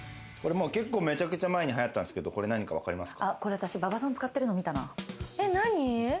めちゃくちゃ前に流行ったんっすけど、これ何かわかりますか？